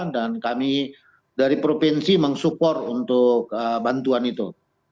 dan kami dari provinsi meng support untuk bantuan itu